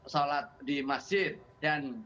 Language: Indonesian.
sholat di masjid dan